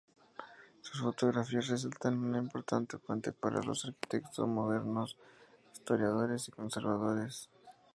Sus fotografías resultan una importante fuente para los arquitectos modernos, historiadores y conservadores.